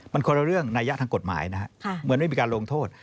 มันคนละเรื่องนัยยะทางกฎหมายนะฮะเหมือนไม่มีการลงโทษ